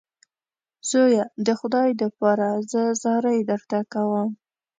زویه د خدای دپاره زه زارۍ درته کوم.